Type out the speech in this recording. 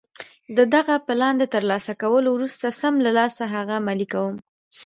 د دغه پلان له ترلاسه کولو وروسته سم له لاسه هغه عملي کوم.